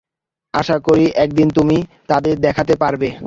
আশা করি একদিন তুমি তাদের দেখাতে পারবে।